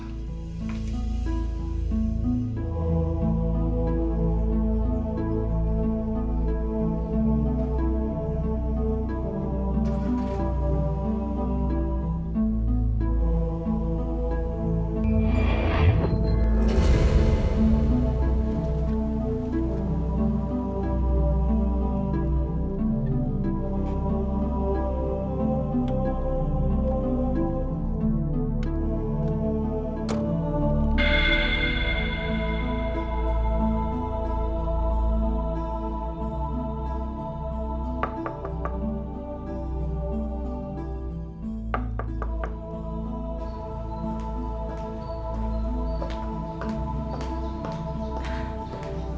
iya mas kamu sudah berangkat ya